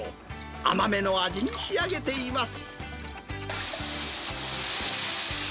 甘めの味に仕上げています。